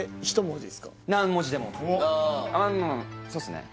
一文字ですか？